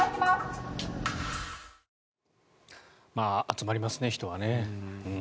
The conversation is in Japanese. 集まりますね、人はね。